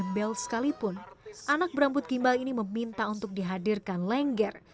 rambut gembel sekalipun anak berambut gembel ini meminta untuk dihadirkan lengger